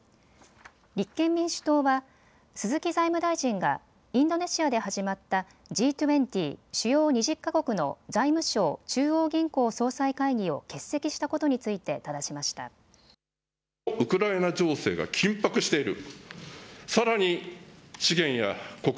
立憲民主党は鈴木財務大臣がインドネシアで始まったＧ２０・主要２０か国の財務相・中央銀行総裁会議を欠席したことについてただしました。